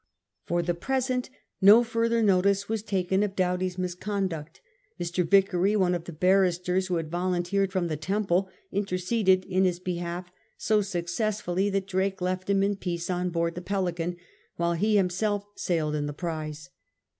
For the present no further notice was taken of Doughty's misconduct. Mr. Vicary, one of the barris ters who had volunteered from the Temple, interceded in his behalf so successfully that Drake left him in peace on board the Felkan, while he himself sailed in the prize.